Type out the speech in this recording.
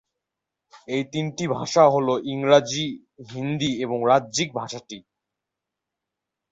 এই তিনটি ভাষা হল ইংরাজী, হিন্দী এবং রাজ্যিক ভাষাটি।